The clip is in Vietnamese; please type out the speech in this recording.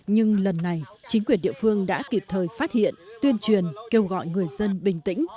nhưng lần này chính quyền địa phương đã kịp thời phát hiện tuyên truyền kêu gọi người dân bình tĩnh